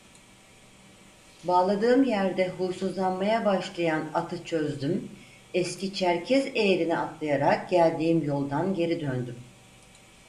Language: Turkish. Bağladığım yerde huysuzlanmaya başlayan atı çözdüm, eski Çerkez eyerine atlayarak geldiğim yoldan geri döndüm.